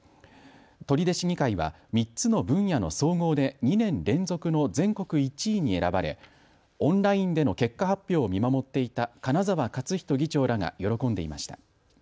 取手市議会は３つの分野の総合で２年連続の全国１位に選ばれオンラインでの結果発表を見守っていた金澤克仁議長らが喜んでいました。